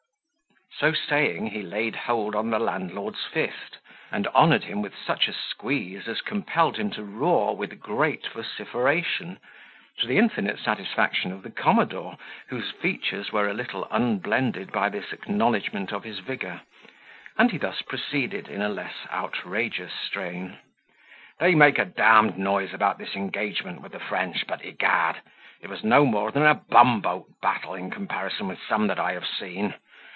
So saying, he laid hold on the landlord's fist, and honoured him with such a squeeze, as compelled him to roar with great vociferation, to the infinite satisfaction of the commodore, whose features were a little unblended by this acknowledgment of his vigour; and he thus proceeded, in a less outrageous strain: "They make a d d noise about this engagement with the French: but, egad! it was no more than a bumboat battle, in comparison with some that I have seen.